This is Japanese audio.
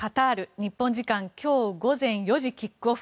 日本時間今日午前４時キックオフ。